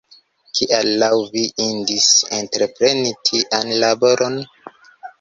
Kial laŭ vi indis entrepreni tian laboron?